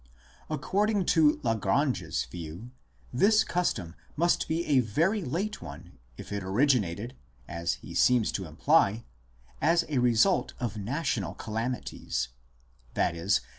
According to Lagrange s view this custom must be a very late one if it originated, as he seems to imply, as a result of national calamities, i.e.